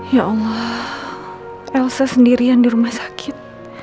ya allah elsa sendirian di rumah sakit